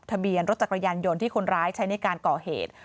ทะเบียนรถจักรยานยนต์ที่คนร้ายใช้ในการก่อเหตุ